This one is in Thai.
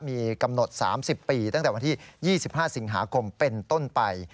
มีกำหนด๓๐ปีตั้งแต่วันที่๒๕สิงหาคมเป็นต้นไป